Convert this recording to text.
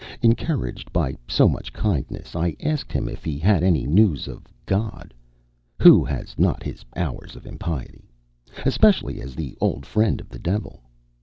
Encouraged by so much kindness I asked him if he had any news of God who has not his hours of impiety? especially as the old friend of the Devil.